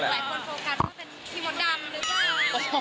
โฟกัสว่าเป็นพี่มดดำหรือเปล่า